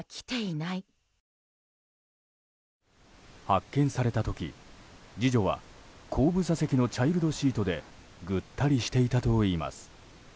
発見された時、次女は後部座席のチャイルドシートでぐったりしていたといいます。